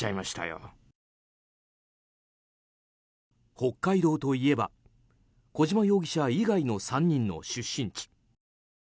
北海道といえば小島容疑者以外の３人の出身地。